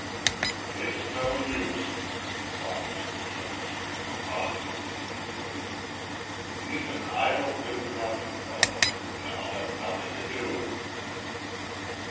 "It's no use," replied Mr. Jonas, in a positive tone of voice. "He's an idle good for nothing fellow, and I'll have nothing to do with him."